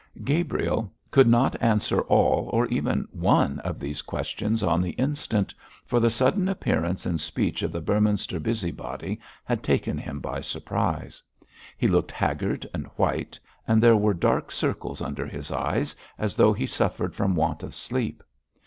Gabriel could not answer all, or even one of these questions on the instant, for the sudden appearance and speech of the Beorminster busybody had taken him by surprise. He looked haggard and white, and there were dark circles under his eyes, as though he suffered from want of sleep.